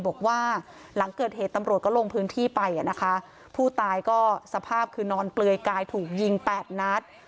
บอกว่าหลังเกิดเหตุตำรวจก็ลงพื้นที่ไปอ่ะนะคะผู้ตายก็สภาพคือนอนเปลือยกายถูกยิงแปดนัด